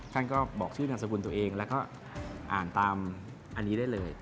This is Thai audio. ท่านก็บอกชื่อนามสกุลตัวเองแล้วก็อ่านตามอันนี้ได้เลย